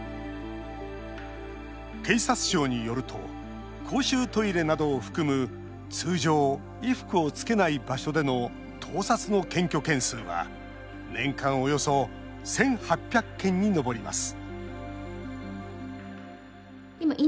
警察庁によると公衆トイレなどを含む通常、衣服を着けない場所での盗撮の検挙件数は年間およそ１８００件に上ります